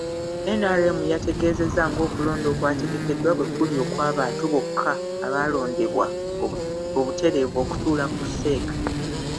NRM yateegezezza ng'okulonda okwategekeddwa bwe kuli okw'abantu bokka abalondebwa obutereevu okutuula ku CEC.